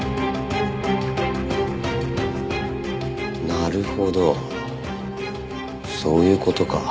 なるほどそういう事か。